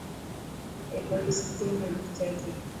اي ٻولي سنڌي ۾ لکجي تي.